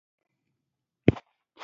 ایران د کاغذ تولید هم کوي.